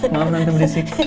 maaf nanti berisik